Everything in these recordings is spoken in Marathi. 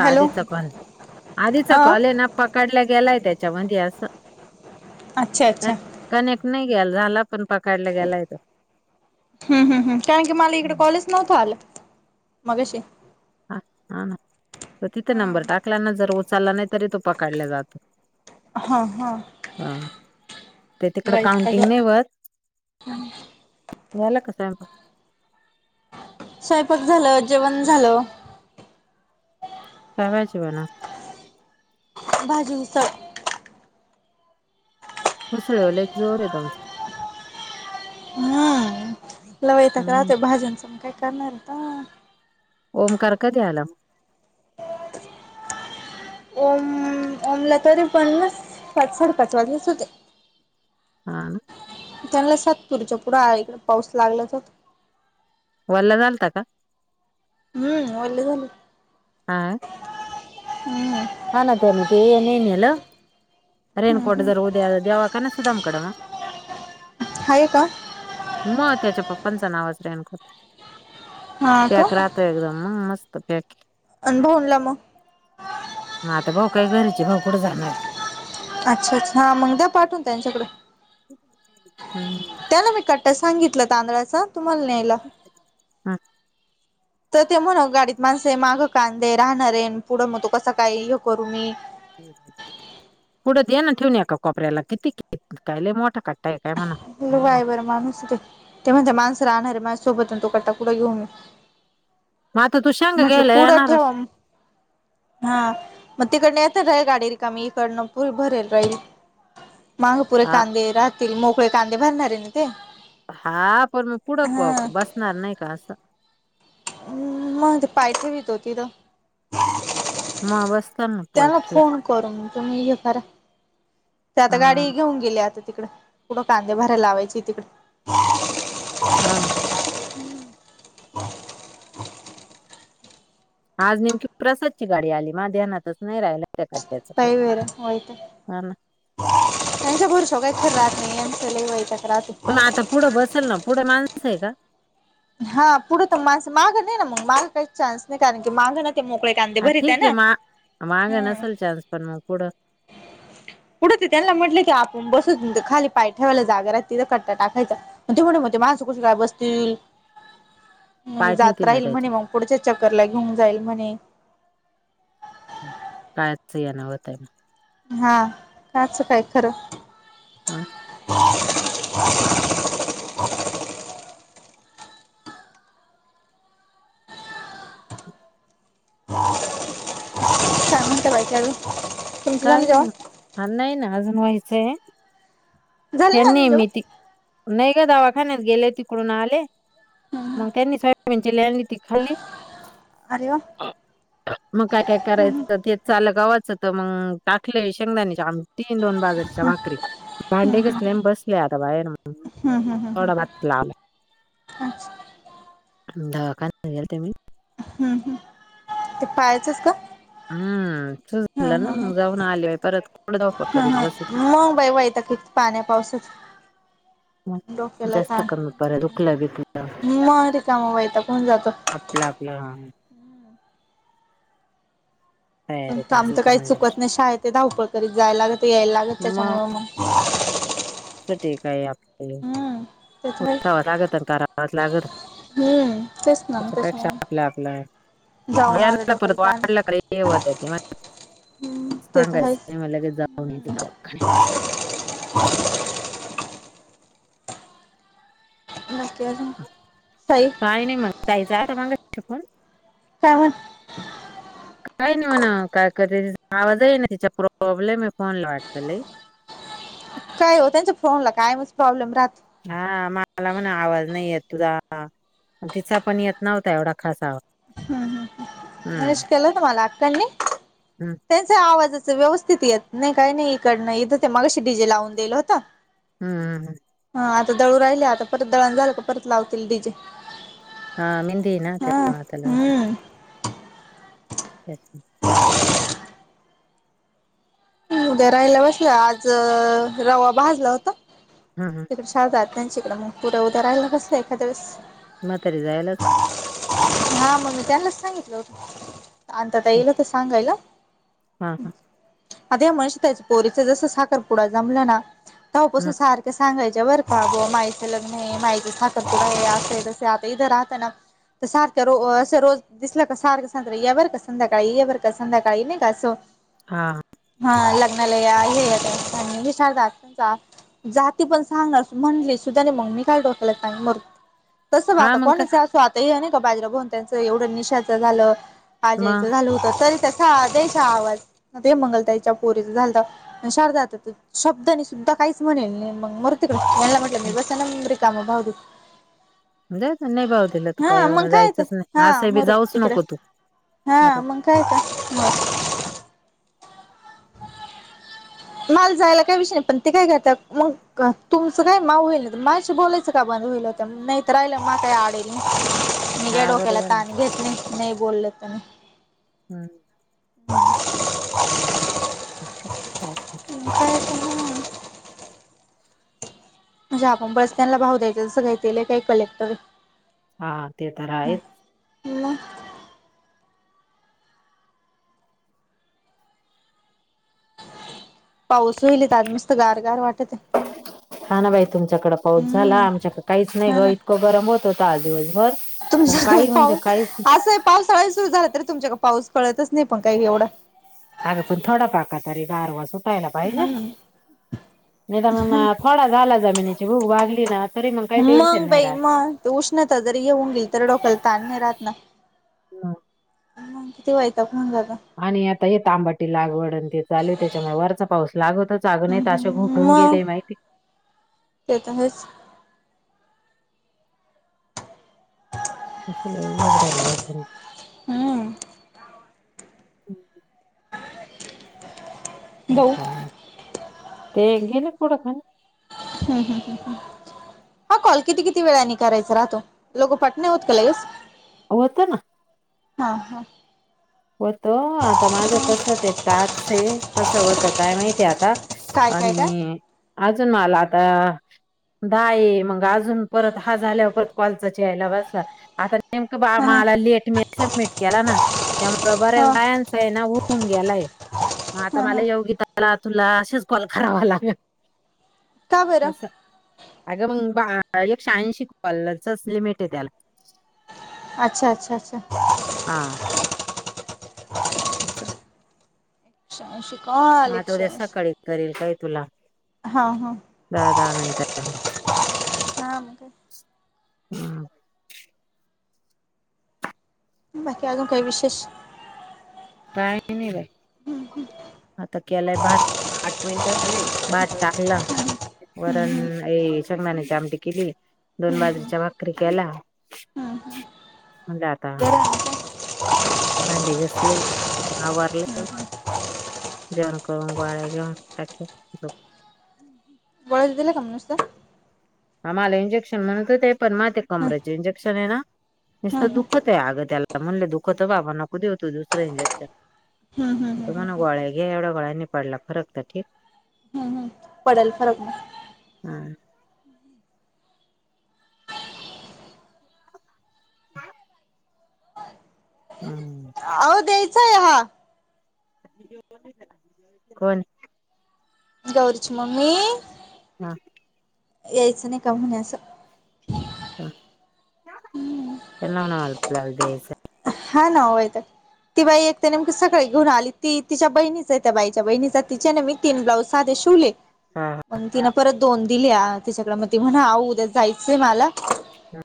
तध हॅलो चकल आधीचा हा कॉले न पकडला गेलाय त्याच्या मध्ये असं. अच्छा अच्छा. कनेक्ट नाही ग्याल झाला. पण पकडला गेलाय तो हम् हम् कारण की मला इकडे कॉलच नव्हता आला. मगाशी. हा हा ना तर तिथे नंबर हा टाकल्याना जरूर. चाला नाही तरी तो प काडलं जातो. हा हा ते तिकड काउंटिंग नाही वत. ह. झाला का स्वयंपाक. स्वयंपाक झालं जेवण झालं. काय भाजी बनवली. भाजी हूसळ. होसळवाले जोर लई वैताग हम्म राहतेय भाज्यांच मग काय करणार तर. ओमकार कधी आला म. ओम ओमला तरी पण ना पाच साडेपाच वाजले च होते. हा ना. त्यांला सातपुरच्या पुड इकडे पाऊस लागलाच होता. वल्ला झालता का. हम्म वले झालेत. आ. हान ते ना तेे ननला रेनकोट जर उद्या देवाखना सुधाम कडवा आहे का मग त्याच्या पप्पांचं नाव हा पॅक राहतो एकदम मग मस्त पॅके अन भवूनला मग. मग आता भाऊ काही घरीचे भाऊ कुठे जाणार आहे. अच्छा अच्छा हा मंग दया पाठवून त्यांच्याकडे. हम्म. त्याला मी कट्टा सांगितलं तांदळाचा तुम्हाला न्यायला. हा तर ते म्हण गाडीत माणस मागं कांदे राहणार आहेन पुढं मग तो कसं काय हे करू मी. पुढत दिना ठेवु न एका कोपऱ्याला किती कायले मोठा काय आहे म्हणा लई वाय वारं माणूस ते ते महन त्या माणस राहणार रे माझ्या सोबत ना तो कटा कुडं घेऊ मी. मग आता तू शेंगा म्हटले घ्यायला पुढं ठेवा येणारच हा मग तिकडन येत रय गाडी रिकाम इकडनं पुरी भरेल राहील माग पुरे हा कांदे राह मोकळे कांदे भरणारे ना ते. हा पण मग पुढं हा क बसणार नाही का असं. हम् मग ते पाय ठेवीतो तिथं. मग बस त्यांना फोन करून तुम्ही हे करा ते आता हा गाडी ना, घेऊन गेली आता तिकड कुठं कांदे भरायला लावायची तिकडे हा ना. बर [inaudible] आज नेमकी प्रसादची गाडी आली माज्या ध्यानातच नही राहिल. [unintelligible] हा ना यांचं लै वैताग राहतो. मग आता पुढं बसलं ना पुढं माणस आहे का. हा पुढे तर माणस मागं नाही ना मग मागा काहीच चान्स नाही कारण की माग हा ठीक आहे, मा मागं हा नसेल चान्स पण मग पुढं पुढे ते त्यांना म्हटले की, आपण बसत खाली पाय ठेवायला जागा तिथं कट्टा टाकायचा ते म्हण ते माणसं कशी काय बसतील. [inaudible] जात ठेवतील ना राहील म्हणे त्याच्यात मग पुढच्या चक्करला घेऊन जाईल म्हणे. काहच येणं होत मग हा काच काय खरं. हा. [unintelligible] काय नाही जेवण नाही ना अजून व्हायचंय हाय. झालं ना यांनी अजून जेवण? मी त नाही ग दवाखान्यात गेले तिकडून आले. मग त्यांनी सोयाबीन चिल्ली आणली ती खाल्ली. अरे वा मग काय काय करायचं तेच. चालं गव्हाचं तर मग टाकले शेंगदाण्याची आमटी दोन बाजरीच्या भाकरी हम्म भांडे हम्म घसले बसले आता बाहेर मग हम्म हम्म हम्म थोडा बातला अच्छा [unintelligible] दवाखान्यात गेलेते मी. हम्म हम्म. ते पायाचंच का. हम्म त हा झालं ना हा ह मग जाऊन आले बाई परत कुठं धावपळ करीत बसती. तेच पाण्या पावसाचं. जास्त कमी परत दुखलं बिकलं. मग रिकामा वैताग होऊन जातो आपलं आपलं हा. पण तयारीत काम तर असलं काही म्हणजे चुकत नाही. शाळेतली धावपळ करीत जायला लागत यायला लागत त्याच्यामुळे मग ह [unintelligible] सठी काय आपल्या त्याच उठाव लागत करावच लागत. हम्म तेच ना मग त्याच्यापेक्षा त्याच्यामुळे आपल्या आपल्या जाऊन आलं डोक्याला येलापरत ताण वाढलं क होत [unintelligible] हम्म ते तर सांगायचं आहेच नाही मग लगेच जाऊन यायचं दवाखान्यात. ह [unintelligible] बाकी अजून साई काही नाही मग जायच आहे तर मग शकून [unintelligible] काय वन. काय नाही म्हणाव. काय कर आवाज येईना तिच्या प्रॉब्लेम आहे फोनला वाटतंय लई. [inaudible] काय हो त्यांच्या फोनला कायमचं प्रॉब्लेम राहतो हा मला म्हण आवाज नाही येत तुझा तिचा पण येत नव्हता एवढा खास आवाज हम्म विष केलं तुम्हाला आत्यानी हम्म त्यांचा आवाज व्यवस्थित येत नाही काही नाही इकड नाही इथं ते मागाशी डी जे लावून दिलं होत हम्म हम् हम् ह आता दळूण राहिले आता परत दळण झालं का परत लावतील डीजे हा मेहंदी ना हा त्यामुळे आत्ता लावतील. हम्म अच्छा उद्या राहिला बसलं आज रवा भाजला होता तिकडे शहाजार त्यांच्याकडें मग पुढे उद्या राहियला कसं एखाद्या वळेस मग तरी जायलाच हा मग मी त्यांलाचं सांगितलं होत अनिता ताई येतील आत्ता सांगायला. हा हा आधीच मस्त आहे. पोरीच जस साखर पुडा जमला ना हा तेव्हापासून सारख्या सांगायच बर का मायच लग्न आहे मायच साखरपुडा आहे असं तस आता इथं राहतं ना तर सारखं रो असं रोज दिसला का सारखं सांगतात या बर का संध्याकाळी या बर का संध्याकाळी नाही का असं हा हा लग्नाला या हे येतात पाहुणी विचारतात का जाती पण सांगणार म्हणली सुधाने मग मी काय करू सांग मर तस बा हा आता मग काय कोणाच असू आता हे नाही का बाजला गोंट्या च त्यांचं एवढं निशाचं झालं अजयचं मग झालं होत तरी त्यासा द्यायचा आवाज ते मंगलताई च्या पोरीचं झालंत शारदा शब्दाने सुद्धा काहीच म्हणेल नाही मला म्हटलं मी बसणं रिकामी मी नाय भाव देत जायचं नाही भाव दिल तर काही एवढं काय तर जायचंच हा नाही असंहीबी मरू जाऊच तिकडे नको तू हा परत. मग काय का बस माला जायला काय विषय नाही पण ते काय घातताात मग तुमचं काय माव होईल माशी बोलायचं का ब अल नाही तर राहील माय काय आडेल मझ्या हा डोक्याला बरोबर आहे. ताण घेत नाही नाय बोलले त म हम् हा चा [unintelligible] तर मग म्हणजे आपण बस त्यांना भाव द्यायचं जसं काहीले काही कलेक्टरी हा ते तर आहेच मग पाऊस होईलेत आज मस्त गार -गार वाटत आहे. [unintelligible] हा ना बाई तुमच्याकडें पाऊस झाला हम्म आमच्याकडे काहीच नाही हा ग ना इतकं गरम होत होत आज दिवसभर पण तुमच्याक काही म्हणजे पाऊ काहीच असंय पाऊसाळी सुरु झाला त रे तुमच्याकडे पा कळतच नाही पण काही एवढं हा पण थोडा फार तरी गारवा व्हायला पाहिजे नाही तर थोडा झाला जमिनीची भूक भागली ना तरी मग काही टेन्शन मंग नाही बाई राहत. मग उष्णता जरी येऊन गेल तर डोक्याला ताण राहत ना ह किती वैताग ग आणि आता येता आंबाटी लागवड ते चाले त्याच्यामुळे वरचा पाऊस लागतच अगून हम्म अशे हम्म घुपडून मग गेले माहिती ते तर आहेच [unintelligible] हम्म [unintelligible] भाऊ [unintelligible] हम् हम् ह ह हा कॉल किती किती वेळानी करायच राहतो लोकं पट नाय होत का लंयस होता ना. हा हा. होत. आता माझं कस ते टाकसे कस होतं काय माहितीय आता. काय काय काय आणि अजून मला आता दा ये मग अजून परत हा झाल्यावर परत कॉलचाच यायला बसला. आता नेमक बा हा हा मला लेट मी सबमिट केला ना? त्यामु बरे हा यन्स आहे ना होऊन गेलाय. मग आता हा मला हा येऊगीताला तुला असेच कॉल करावा लागेल. का बरं अस अग म बा एक शहाऐंशी कॉलचच लिमिेटे त्याला. अच्छा अच्छा अच्छा. अच्छा. [unintelligible] एकशेएंशी कॉल एकशेएंशी सकाळी करेल काय तुला दहा दहा मिनट. हा मग काय हम. बाकी आजुन काही विशेष? काही नाही बाई. आता केलाय भात आठ मिनट झाले भात टाकलं. वरण शेंगदाण्याची आमटी केली. दोन बाजरीच्या भाकरी केला. म्हणलं आता भांडी घासले आवरलं. जेवन करून गोळ्या घेऊन टाकले गोळ्याच दिल्या का मग नुसत्या? हा मला इंजेक्शन म्हणत होते. पण माते हम्म कमर्याचे इंजेक्शन आहे ना? नुसतं हम्म दुःखतय अगं त्याला. म्हणले दुखत ह बाबा नको देऊ तू दुसरं इंजेक्शन. हा हा ह तो ह म्हणे ह. गोळ्या घे एवढा गोळ्यांनी पडला फरक तर ठीक. पडल फरक. हा. हम्. हो द्याचय हा. कोण? गौरीची मम्मी. हा. यायचं नाही का म्हणे असं. त्यांना म्हणावं मला प्लॉट द्यायचंय. हा ना व वैताग. ती बाई एक तर नेमकी सकाळी घेऊन आली. ती तिच्या बहिणीचा त्या बाईच्या बहिणीचा तिच्याने मी तीन ब्लाऊज साधे शिवले. हा हा मग तिन परत दोन दिले तिच्याकडे. मग त म्हण आवो उद्या जायचंय मला. हम.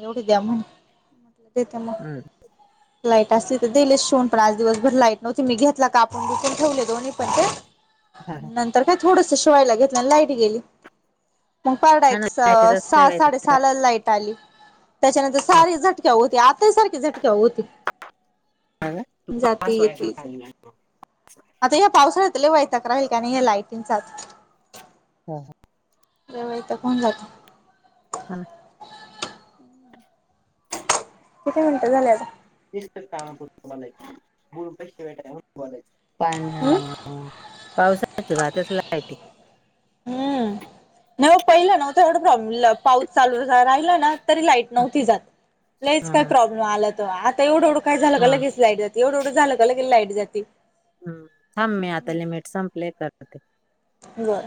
एवढी द्या म्हणे. देते मग. हम्म. लाईट असते तर दिले असते शिवून पण आज दिवसभर लाईट नव्हती मी घेतला कापून ठेवले दोन्ही पण ते. हा हा. नंतर काय थोडस शिवायला घेतलं. आणि लाईट गेली. मग पडाय हा एक ना माहितीच असल्या सहा वैताग. साडेसहा ला लाईट आली. त्याच्यानंतर हा. सारी झटक्या होती. आताही सारखी झटक्या होती. ह तू जाते पाच वय चे. येतेच [unintelligible] आता या पावसाळ्यात लयी वैताग राहील का नाही या लायटींचाच. हा ह. [unintelligible] जवय तर कोण जातो? [unintelligible] हा. [unintelligible] किती मिनिटं झाले आता [unintelligible] पन हम्म पावसाळ्याचा जात्यात लाईटी हम्म नाही मग पहिलं ना एवढ प्रॉब्लेम पाऊस चालू राहिला ना तरी लाइट हा नवती जात लईच हा काय प्रॉब्लेम आला तर आता एवडु काय झालं का हा. लगेच लाईट जाती एवढं एवढ झालं का लगेच लाईट जाते हम् थांब मी आता लिमिट संपलेय कर बर